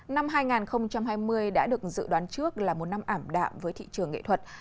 năm hai nghìn hai mươi đã được dự đoán trước là một năm ảm đạm với thị trường nghệ thuật